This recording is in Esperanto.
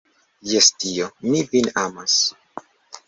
Je Dio, mi vin amas.